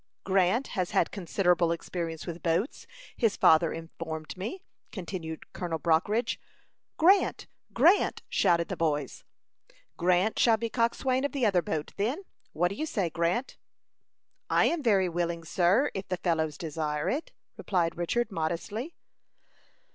"Grant has had considerable experience with boats, his father informed me," continued Colonel Brockridge. "Grant! Grant!" shouted the boys. "Grant shall be coxswain of the other boat, then. What do you say, Grant?" "I am very willing, sir, if the fellows desire it," replied Richard, modestly.